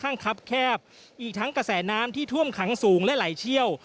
ครับแคบอีกทั้งกระแสน้ำที่ท่วมขังสูงและไหลเชี่ยว